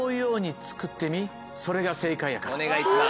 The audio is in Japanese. お願いします。